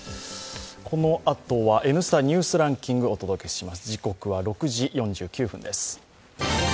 このあとは「Ｎスタ・ニュースランキング」お届けします。